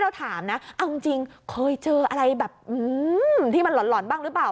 เราถามนะเอาจริงเคยเจออะไรแบบที่มันหล่อนบ้างหรือเปล่า